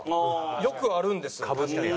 よくあるんですよ。